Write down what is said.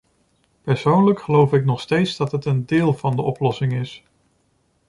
Persoonlijk geloof ik nog steeds dat het een deel van de oplossing is.